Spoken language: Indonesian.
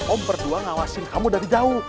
om berdua ngawasin kamu dari jauh